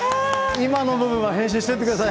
今の部分は編集しておいてください。